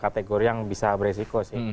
kategori yang bisa beresiko sih